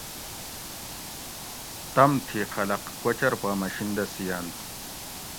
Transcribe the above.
تمتھی خلۤق کوچر پا مشین دہ سِئینت